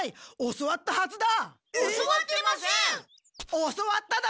教わったはずだ！